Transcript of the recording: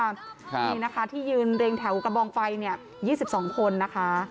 นี่นะคะที่ยืนเรียงแถวกระบองไฟเนี่ย๒๒คนนะคะ